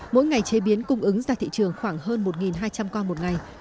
mỗi ngày chế biến cung ứng ra thị trường khoảng hơn một hai trăm linh con một ngày